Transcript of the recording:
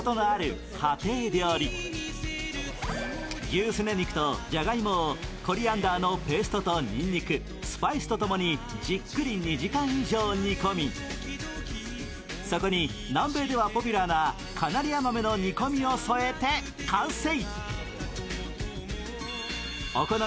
牛すね肉とじゃがいもをコリアンダーのペーストとにんにく、スパイスと共にじっくり２時間以上煮込み、そこに南米ではポプュラーなカナリア豆の煮込みを添えて完成。